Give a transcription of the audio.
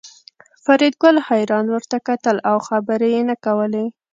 فریدګل حیران ورته کتل او خبرې یې نه کولې